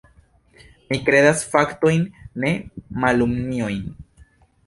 Mi kredas faktojn, ne kalumniojn.